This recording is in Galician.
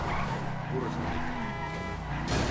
Curros Enríquez".